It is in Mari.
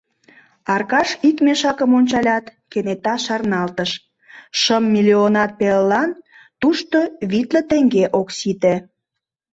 Аркаш ик мешакым ончалят, кенета шарналтыш: шым миллионат пелылан тушто витле теҥге ок сите.